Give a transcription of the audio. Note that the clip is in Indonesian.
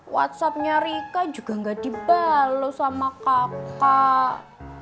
whatsappnya rika juga gak dibalut sama kakak